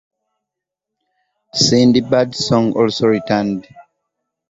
Cindy Birdsong also returned.